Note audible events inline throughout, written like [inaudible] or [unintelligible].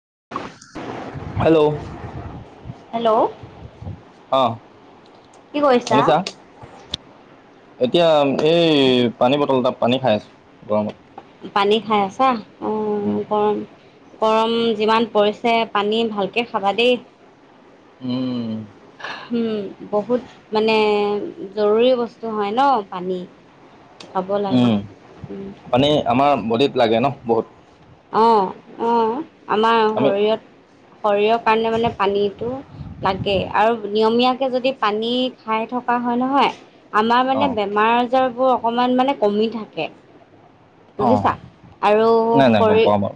[inaudible] Hello hello অহ কি কৰিছা? এতিয়া এই পানী বটল এটাত পানী খাই আছো গৰমত। পানী খাই আছা অ উম গৰম গৰম যিমান পৰিছে পানী ভালকে খাবা দেই। উম উ উম বহুত মানে জৰুৰী বস্তু হয় ন পানী খাব লাগে। বদিত লাগে ন বহুত। অ অ আমাৰ আমি শৰীৰত শৰীৰৰ কাৰণে মানে পানীটো লাগে আৰু নিয়মীয়াকে যদি পানী খাই থকা হয় নহয় আমাৰ মানে অঁ বেমাৰ আজাৰবোৰ অকমান মানে কমি থাকে। অঁ বুজিছা আৰু নাই গম পাও মই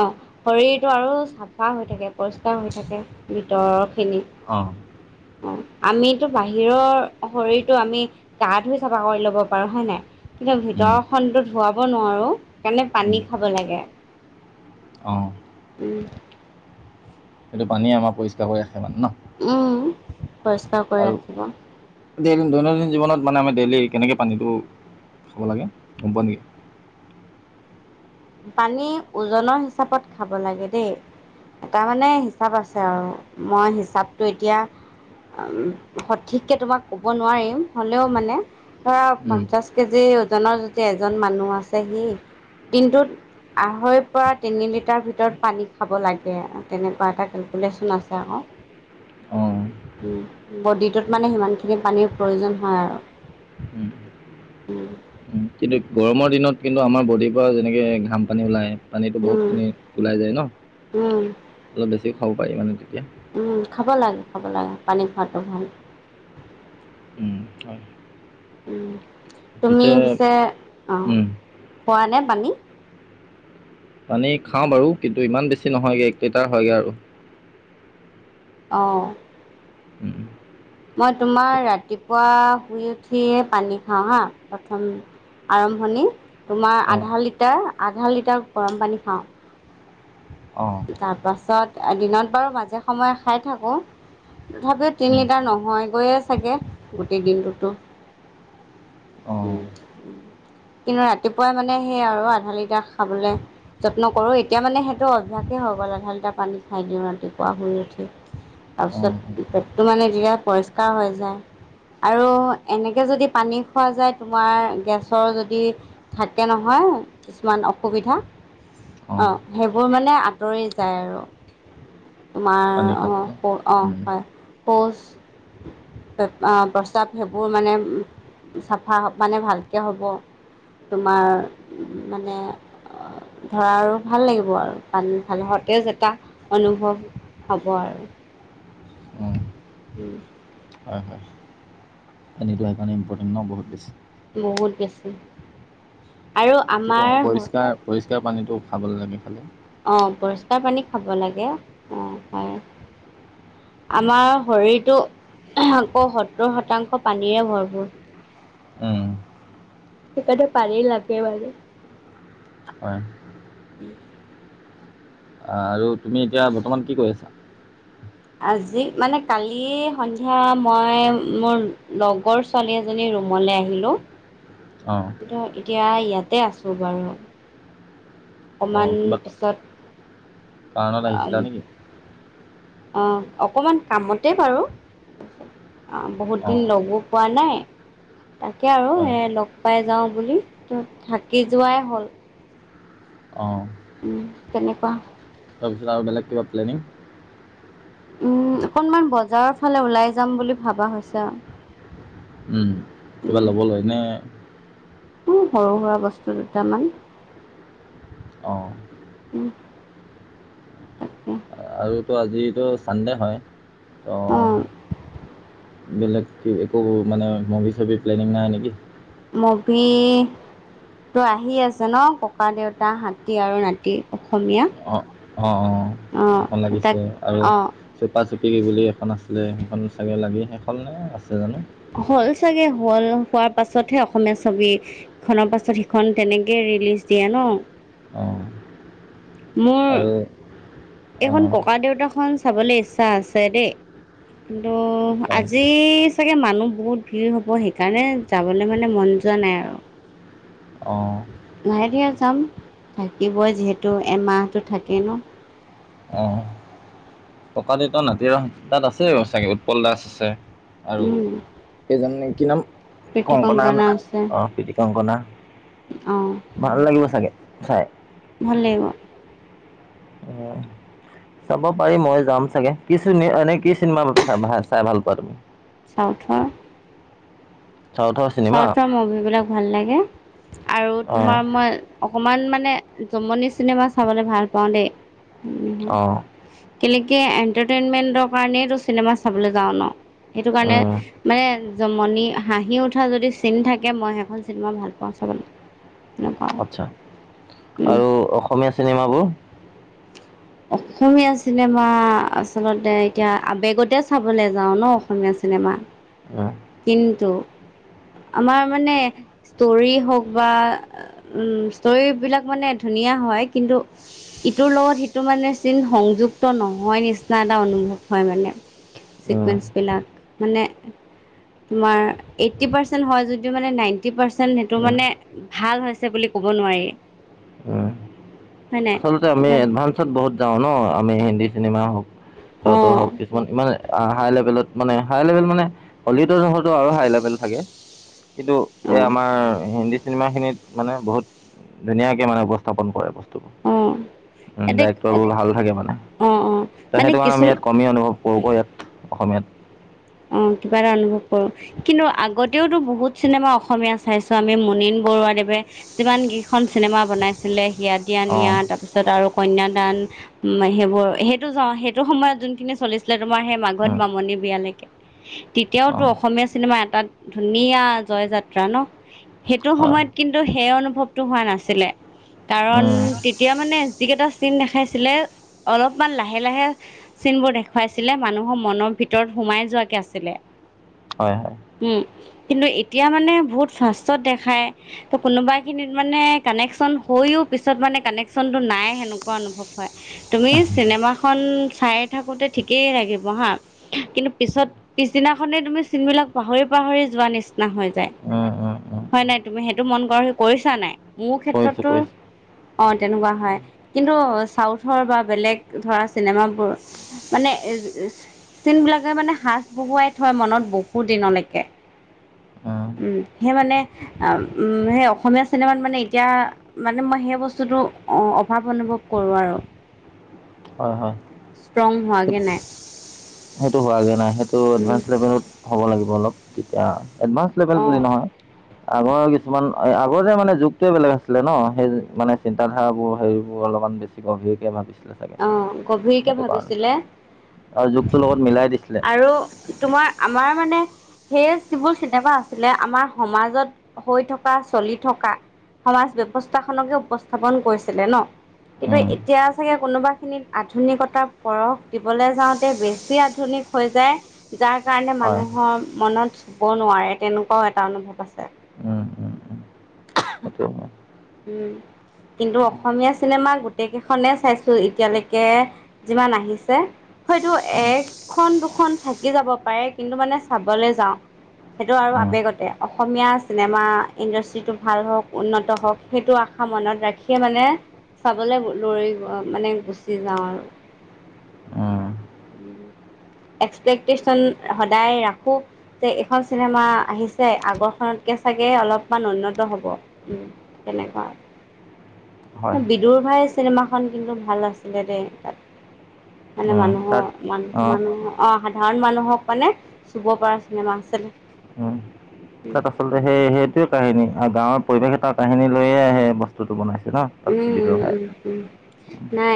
অঁ শৰীৰটো আৰু চাফা হৈ থাকে পৰিষ্কাৰ হৈ থাকে ভিতৰ তিনি অঁ অ আমিতো বাহিৰৰ শৰীৰটো আমি গা ধুই চাফা কৰি লব পাৰো হয়ে নাই? কিন্তু উম ভিতৰখনতো ধুৱাব নোৱাৰোঁ সেইকাৰণে উম পানী খাব লাগে। অঁ উম সেইটো পানীয়ে আমাৰ পৰিষ্কাৰ কৰে। উম পৰিষ্কাৰ কৰি আৰু ৰাখিব। ডেইলি দৈনন্দিন জীৱনত মানে আমি ডেইলি কেনেকে পানীটো খাব লাগে গম পোৱা নেকি? পানী ওজনৰ হিচাপত খাব লাগে দেই। এটা মানে হিচাপ আছে আৰু মই হিচাপটো এতিয়া সঠিক কে তোমাক কব নোৱাৰিম হ'লেও মানে ধৰা উম পঞ্চাশ কেজি, ওজনৰ যদি এজন মানুহ আছে সি দিনটোত আঢ়ৈৰ পৰা তিনি লিটাৰ ভিতৰত পানী খাব লাগে তেনেকোৱা এটা কেলকুলেশ্যন আছে আক অঁ চ বডিটোত মানে সিমানখিনি পানীৰ প্ৰয়োজন হয় আৰু উম উম উম কিন্তু গৰমৰ দিনত কিন্তু আমাৰ বডিৰ পৰা যেনেকে ঘাম পানী ওলাই পানীটো উম, বহুতখিনি ওলাই যায় ন উম, অলপ বেছি খাব পাৰি মানে তেতিয়া উম খাব লাগে। খাব লাগে পানী খোৱাটো ভাল উম, হয় তুমি পিছে অ উম, খোৱা নে পানী? পানী খাওঁ বাৰু কিন্তু ইমান বেছি নহয়গৈ এক লিটাৰ হয়গৈ আৰু অহ উম, উম। মই তোমাৰ ৰাতিপুৱা শুই উঠিয়ে পানী খাওঁ হা প্ৰথম আৰম্ভণি তোমাৰ অঁ আধা লিটাৰ আধা লিটাৰ গৰম পানী খাও। অঁ তাৰ পাছত দিনত বাৰু মাজে সময়ে খাই থাকো। তথাপিও তিনি উম, লিটাৰ নহয় গৈয়ে চাগে গোটেই দিনটোতো অঁ উম উম কিন্তু ৰাতিপুৱাই মানে সেইয়া আৰু আধালিতা খাবলে যত্ন কৰো এতিয়া মানে সেইটো অভ্যাসেই হৈ গ'ল আধা লিটাৰ পানী খাই দিওঁ ৰাতিপুৱা শুই উঠি। অঁ উম, তাৰপিছত উম, পেটটো মানে যৰা পৰিষ্কাৰ হৈ যায়। আৰু এনেকে যদি পানী খোৱা যায় তোমাৰ গেছৰ যদি থাকে নহয় কিছুমান অসুবিধা অ অঁ সেইবোৰ মানে আঁতৰি যায় আৰু তোমাৰ পানী অ খালে ন স অ উম, হয় পৌচ প্ৰস্তাৱ সেইবোৰ মানে চাফা মানে ভালকে হ'ব তোমাৰ মানে ধৰা আৰু ভাল লাগিব আৰু পানী ভাল সতেজ এটা অনুভৱ হ'ব আৰু। উম, উম। তেনেকোৱা কাৰণে ইম্পৰ্টেণ্ট ন বহুত বেছি বহুত বেছি আৰু আমাৰ। তেতিয়াৰ পানীটো খাবলে লাগে খালে অ পৰিষ্কাৰ পানী খাব লাগে অ হয় আমাৰ শৰীৰটো আকৌ সত্তৰ শতাংশ পানীৰে ভৰপূৰ উম সেইকাৰণে পানী লাগে মানে হয় আৰু তুমি এতিয়া বৰ্তমান কি কৰি আছা আজি মানে কালি সন্ধিয়া মই মোৰ লগৰ ছোৱালী এজনীৰ ৰুমলে আহিলো অঁ এতিয়া ইয়াতে আছো বাৰু অঁ অকণমান কিবা পিছত কাৰণত অ আহিছিলা নেকি অ অকমান কামতে বাৰু। বহুত দিন অঁ লগো পোৱা নাই। তাকে আৰু হয় এ লগ পাই যাওঁ বুলি থাকি যোৱাই হ'ল। অঁ উম কেনেকুৱা। তাৰপিছত আৰু বেলেগ কিবা প্লেনিং উম অকনমান বজাৰৰ ফালে ওলাই যাম বুলি ভাবা হৈছে আৰু। উম, কিবা ল'ব লয় নে উম সৰু সুৰা বস্তু দুটামান অঁ উম উম আৰুতো আজিতো ছানডে' হয় অ', ত' বেলেগ একো মানে মুভি চভি প্লেনিং নাই নেকি মভি তই আহি আছে ন ককা দেউতা হাতী আৰু নাতি অসমীয়া অ অ, অ', এইখন তাক লাগিছে আৰু অ', চুপা চুপি কি বুলি এখন আছে সেইখন চাগে লাগে আছেনে সেইখন চাগে আছে জানো হল চাগে হল হোৱাৰ পাছতহে অসমীয়া ছবি খনৰ পাছত সিখন তেনেকে ৰিলিজ দিয়ে ন অঁ মোৰ। আৰু এইখন অঁ ককা দেউতাখন চাবলৈ ইচ্ছা আছে দেই। কিন্তু হয় আজি চাগে মানুহ বহুত ভিৰ হব সেইকাৰণে যাবলৈ মানে মন। যোৱা নাই আৰু। অ নাই দিয়া যাম থাকিবই যিহেতু এমাহটো থাকে ন। অঁ ককা দেউতা নাতি আৰু হাতী তাত আছে চাগে উৎপল দাস আছে আৰু উম সেইজন প্ৰীতি কংকনা আছে অ প্ৰীতি কংকনা অ ভাল লাগিব চাগে। হয় ভাল লাগিব উম চাব পাৰি মই যাম চাগে কি চ এনে কি চিনেমা চাই ভালপোৱা তুমি চাওথৰ চাউথৰ চিনেমা চউথৰ মুভি বিলাক ভাল লাগে আৰু অ তোমাৰ মই অকমান মানে জমনি চিনেমা চাবলৈ ভাল পাওঁ দেই। অ কেনেকে এণ্টাৰটেইনমেন্টৰ কাৰণেইটো চিনেমা চাবলৈ যাওঁ ন সেইটো কাৰণে উম মানে জমনি হাঁহি উঠি কথা যদি চিনি থাকে মই সেইখন চিনেমা ভাল পাওঁ চাবলে। আচ্ছা আৰু অসমীয়া চিনেমাবোৰ অসমীয়া চিনেমা আচলতে এতিয়া আবেগতে চাবলে যাও ন অসমীয়া চিনেমা উম কিন্তু আমাৰ মানে ষ্টৰি হওক বা উম ষ্টৰি বিলাক মানে ধুনীয়া ধুনীয়া হয় কিন্তু ইটোৰ লগত সিটো মানে চিন সংযুক্ত নহয় নিচিনা এটা অনুভৱ হয় মানে। উম চিকুৱেঞ্চবিলাক মানে তোমাৰ এইটি পাৰ্চেন্ত হয় যদিও মানে নাইন্তি পাৰ্চেন্ত সেইটো উম মানে ভাল হৈছে বুলি কব নোৱাৰি। উম হয় নাই আচলতে আমি এডভান্সত বহুত যাওঁ ন আমি হিন্দী চিনেমা হওক চাতৰ অঁ হওক কিছুমান ইমান হাই লেভেলত মানে হাই লেভেল মানে হলিউডৰ জহৰটো আৰু হাই লেভেল থাকে। কিন্তু এ অঁ আমাৰ হিন্দী চিনেমা খিনিত মানে বহুত ধুনীয়াকে মানে উপস্থাপন কৰে মানে। উম্। উ ডাইক্টৰ বোৰ ভাল থাকে মানে অ', ত মানে সেইটো কাৰণে কিছুম আমি ইয়াত কমি অনুভৱ কৰো ক ইয়াত। অসমীয়াত। অ কিবা এটা অনুভৱ কৰো কিন্তু আগতেওতো বহুত চিনেমা অসমীয়া চাইছো আমি মুনিন বৰুৱাদেৱে যিমান কেইখন চিনেমা বনাইছিলে সিয় দিয়া নিয়া অঁ তাৰপিছত আৰু কন্যাদান সেইবোৰ সেইটো সেইটো সময়ত যোনখিনি চলিছিলে তোমাৰ সেই মাঘত উম, মামনী বিয়ালৈকে অঁ তেতিয়াওতটো অসমীয়া চিনেমা এটা ধুনীয়া জয় যাত্ৰা ন। সেইটো হয় সময়ত কিন্তু সেই অনুভৱটো হোৱা নাছিলে। কাৰণ উম, তেতিয়া মানে যিকেইটা চিন দেখাইছিলে অলপমান লাহে লাহে চিন বোৰ দেখুৱাইছিলে মানুহৰ মনৰ ভিতৰত সোমাই যোৱা কে আছিলে। হয় হয়। উম। কিন্তু এতিয়া মানে বহুত ফাষ্টত দেখায় ত কোনোবা খিনিত মানে কানেকচন হৈও পিছত মানে কানেকনটো নাই সেনেকুৱা অনুভৱ হয়। তুমি চিনেমাখন চাই থাকোতে ঠিকেই লাগিব হা কিন্তু পিছত পিছদিনাখনেই তুমি চিনবিলাক পাহৰি পাহৰি যোৱা নিচিনা হৈ যায়। উম, উম, উম, উম। হয় নাই তুমি সেইটো মন কৰ সি কৰিছা নাই মোৰ কৰিছোঁ ক্ষেত্ৰতো কৰিছোঁ অ তেনেকুৱা হয় কিন্তু চাউথৰ বা বেলেগ ধৰা চিনেমাবোৰ মানে এ চিন বিলাকে মানে স বহুৱাই থয় মনত বহুত দিনলৈকে। অ। উম্ সেই মানে সেই অসমীয়া চিনেমাত মানে এতিয়া মানে মই সেই বস্তুটো অ অভাৱ অনুভৱ কৰোঁ আৰু। হয় হয় ষ্ট্ৰং হোৱাগে সেই- নাই। সেইটো হোৱাগে নাই সেইটো উম এডভান্স লেভেলত হ'ব লাগিব, অলপ তেতিয়া এডভান্স লেভেল অ বুলি নহয় আগৰ কিছুমান আগৰ যে মানে যুগটোৱে বেলেগ আছিলে ন, সেই মানে চিন্ত ধাৰাাবোৰ হেৰিবোৰ অলপ বেচি গভীৰকে ভাবিছে অ গভীৰকে ভাবিছিলে। আৰু যুগটোৰ লগত মিলাই দিছিলে আৰু তোমাৰ আমাৰ মানে সেই যিবোৰ চিনেমা আছিলে, আমাৰ সমাজত হৈ থকা চলি থকা সমাজ ব্যৱস্থা খনকে উপস্থাপন কৰিছিলে ন, কিন্তু উম, এতিয়া চাগে কোনোবা খিনিত আধুনিকতাৰ পৰশ দিবলে যাওঁতে বেছি আধুনিক হৈ যায় যাৰ কাৰণে হয় মানুহৰ মনত চুব নোৱাৰে তেনেকুৱাও এটা অনুভৱ আছে সেইটোয়ে উম কিন্তু অসমীয়া চিনেমা গোটেই কেইখনে চাই তোৰ এতিয়ালৈকে যিমান আহিছে হয়টো এখন দুখন থাকি যাব পাৰে কিন্তু মানে চাবলৈ যাওঁ সেইটো আৰু উম, আৱেগতে অসমীয়া চিনেমা ইণ্ডাষ্ট্ৰিটো ভাল হওঁক উন্নত হওঁক সেইটো আশা সামনত ৰাখি মানে চাবলৈ দৌৰি গ মানে গুচি যাওঁ আৰু উম, উ এক্সপেক্টেশচন সদায় ৰাখো যে এইখন চিনেমা আহিছে আগৰখনত চাগে অলপমান উন্নত হ'ব উ তেনেকুৱা হয়। বিদুৰ ভাইৰ চিনেমাখন কিন্তু ভাল আছিলে দেই তাত মানে উম, তাত মানুহৰ মান অ', মানুহ আহ সাধাৰণ মানুহক মানে চুব পৰা চিনেমা আছিলে উম তাত আচলতে সেই সেইটোৱে কাহিনী, আৰু গাঁৱৰ পৰিৱেশ এটা কাহিনী লৈয়ে সে বস্তুটো বনাইছে ন তাত উম বিদুৰ উম ভাই। উম উম নাই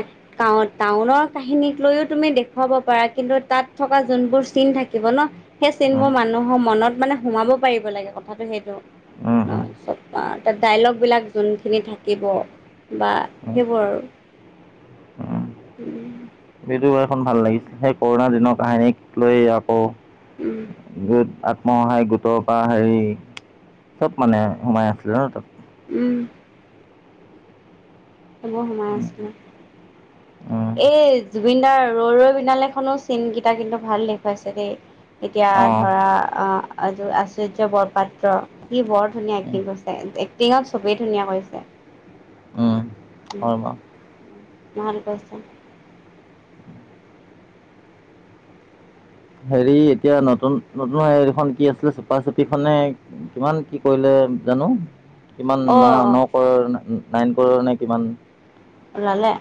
টাউনৰ কাহিনীক লৈও তুমি দেখুৱাব পাৰা কিন্তু তাত থকা যোনবোৰ চিন থাকিব ন, সেই উম, চিনবোৰ মানুহৰ মনত মানে সোমাব পাৰিব লাগে কথাটো সেইটো উম, উম, চ ডাইলগ বিলাক যোনখিনি থাকিব বা উম, সেইবোৰ আৰু উ বিদূৰ ভাই খন ভাল লাগিছিল, সেই কৰোণাৰ দিনৰ কাহিনীক লৈ আকৌ উম গোট আত আত্মসহায়ক গোটৰ পৰা হেৰি চব মানে সোমাই আছিলে ন তাত উম সেইবোৰ সোমাই উম, আছে। উম, এই জুবিনদাৰ ৰৈ ৰৈ বিনালে খনৰ চিনকেইটা কিন্তু ভাল দেখুৱাইছে দেই। এতিয়া অ', ধৰা অহ আৰু আশ্চৰ্য্য বৰপাত্ৰ সি বৰ ধুনীয়া উম, এক্টিং কৰিছে, এক্টিঙক চবেই ধুনীয়া কৰিছে উম, উম হয় বাৰু। ভাল ক হেৰি এতিয়া নতুন নতুন হেৰিখনন কি আছিলে চুপা চুপিখনে কিমান কি কৰিলে জানো কিমান ন অ' নকৰ নাইন কৰ নে কিমান উলালে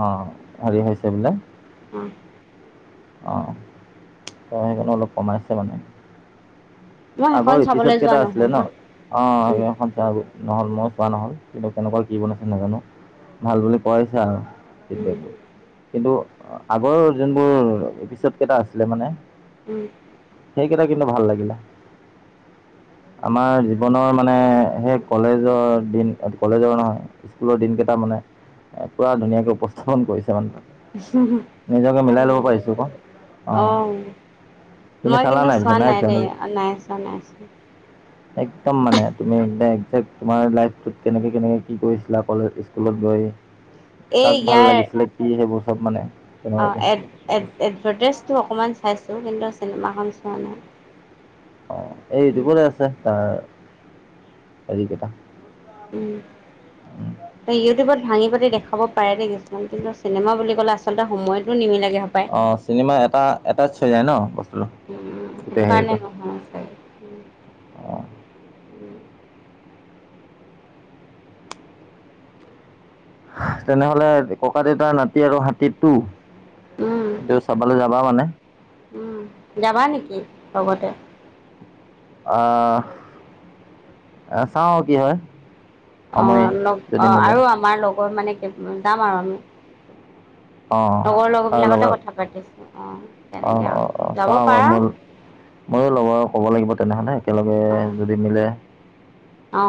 অহ হেৰি হৈছে বোলে উম অহ সেইকাৰণে অলপ কমাই আছে মানে। মই সেইখন আগৰ এপিছত চাবলৈ যোৱা কেইটা আছিলে নহ'ল ন? হা অ [unintelligible] উম, সখনোৰ নহ'ল মই চোৱা নহ'ল কিন্তু কেনেকুৱা কি বনাইছে নাজানো ভাল বুলি কোৱা হৈছে আৰু। কিন্তু আগৰ যোনবোৰ এপিচড কেইটা আছিলে মানে উম সেইকেইটা কিন্তু ভাল লাগিলে [unintelligible] আমাৰ জীৱনৰ মানে সেই কলেজৰ দিন কলেজৰ নহয় স্কুলৰ দিনকেইটা মানে এ পোৰা ধুনীয়াকে উপস্থাপন কৰিছে মানে হুম নিজকে হয় মিলাই ল'ব নেকি পাৰিছোঁ আকৌ অঁ অহ তুমি মই চালা কিন্তু চোৱা পিছে নাই দেই, নেকি নাই চোৱা নাই চোৱা একদম মানে তুমি একজেক্ট তোমাৰ লাইত কেনেকে কেনেকে কি কৰিছিলা কলেজ অ' স্কুলত গৈ এই কাক ভাল লাগিছিলে কি সেইবোৰ চব মানে অঁহ তেনেকুৱাকৈ এড এড দেখাইছে এডভাৰটাইজটো অকণমান চাইছোঁ কিন্তু চিনেমাখন চোৱা নাই। অঁ এই উম, দিবলে আছে তাৰ হেৰি কেইটা উম ইউটিউবত ভাঙি পাতি দেখাব পাৰে দেই কিছুমান কিন্তু চিনেমা বুলি ক'লে আচলতে সময়তো নিমিলেগে হপায়। অহ চিনেমা এটা এটেচ হৈ যায় ন বস্তুটো উম, গোটেই দোকানে হেৰিটো অঁ তেনেহলে ককা দেউতাৰ নাতি আৰু হাতীটো টো উম, সেইটো চাবলৈ যাবা মানে। উম, যাবা নেকি লগতে। আ-আ চাও কি হয়। অ, সময় লগ অ, যদি মিলে আৰু আমাৰ লগৰ মানে যাম আৰু আমি। অঁ লগৰ- তাৰ লগৰবিলাকতে লগত কথা পাতিছো আ তেনেকে আৰু যাব পাৰা। ময়ো লগৰ ক'ব লাগিব তেনেহ'লে একেলগে অ', যদি মিলে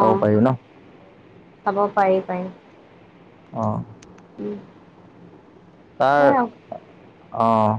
চাব পাৰি ন চাব পাৰি পাৰি অহ উম তাৰ সেয়া অহ